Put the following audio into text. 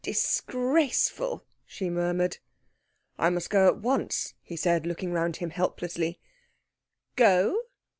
"Disgraceful," she murmured. "I must go at once," he said, looking round helplessly. "Go?"